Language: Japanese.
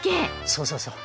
そうそうそう。